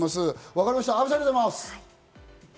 阿部さん、ありがとうございます。